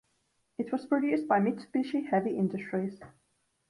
It was produced by Mitsubishi Heavy Industries.